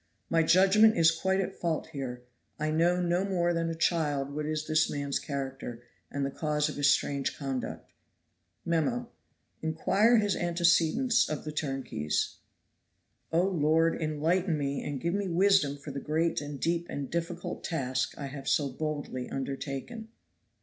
My judgment is quite at fault here. I know no more than a child what is this man's character, and the cause of his strange conduct. Mem. Inquire his antecedents of the turnkeys. Oh, Lord, enlighten me, and give me wisdom for the great and deep and difficult task I have so boldly undertaken!